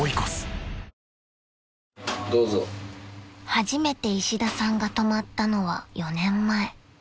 ［初めて石田さんが泊まったのは４年前］